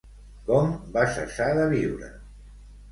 Com va cessar de viure?